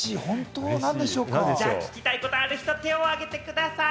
聞きたいことある人、手をあげてください。